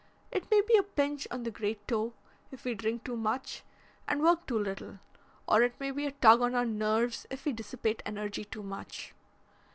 It may be a pinch on the great toe if we drink too much and work too little. Or it may be a tug on our nerves if we dissipate energy too much.